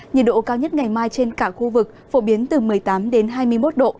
nhiệt độ cao nhất ngày mai trên cả khu vực phổ biến từ một mươi tám đến hai mươi một độ